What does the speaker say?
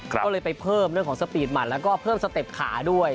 ก็เลยไปเพิ่มเรื่องของสปีดมันแล้วก็เพิ่มสเต็ปขาด้วย